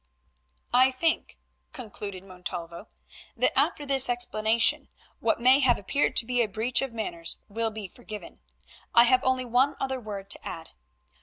"I think," concluded Montalvo, "that after this explanation, what may have appeared to be a breach of manners will be forgiven. I have only one other word to add.